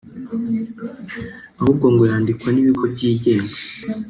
ahubwo ngo yandikwa n‘ibigo byigenga